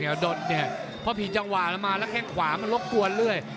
เพราะผีจังหวานมาแล้วแข่งขวามันรบกวนเลย